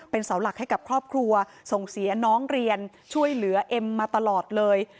เสาหลักให้กับครอบครัวส่งเสียน้องเรียนช่วยเหลือเอ็มมาตลอดเลย